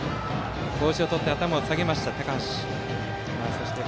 帽子を取って頭を下げた高橋。